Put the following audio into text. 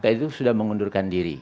itu sudah mengundurkan diri